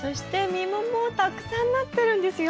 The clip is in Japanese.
実ももうたくさんなってるんですよ。